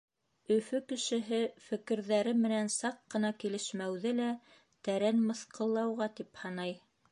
Өфө кешеһе фекерҙәре менән саҡ ҡына килешмәүҙе лә тәрән мыҫҡыллауға тип һанай.